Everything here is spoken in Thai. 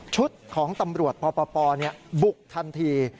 ของตำรวจปปบุกทันที